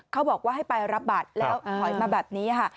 เขาบอกว่าให้ไปรับบัตรแล้วถอยมาแบบนี้ค่ะ